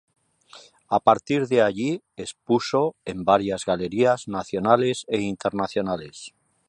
A partir de allí expuso en varias galerías nacionales e internacionales.